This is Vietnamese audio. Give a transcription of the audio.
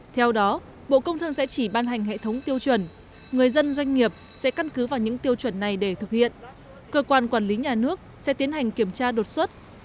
theo đó bộ công thương sẽ chỉ ban hành hệ thống tiêu chuẩn người dân doanh nghiệp sẽ căn cứ vào những tiêu chuẩn này để thực hiện cơ quan quản lý nhà nước sẽ tiến hành kiểm tra đột xuất